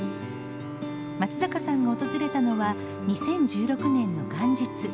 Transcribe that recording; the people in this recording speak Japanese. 松坂さんが訪れたのは２０１６年の元日。